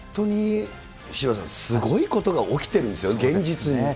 でも本当に、渋谷さん、すごいことが起きてるんですよね、現実に。